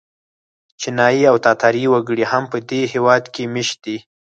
چینایي او تاتاري وګړي هم په دې هېواد کې مېشت دي.